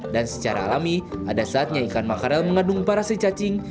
dan secara alami ada saatnya ikan makarel mengandung parasi cacing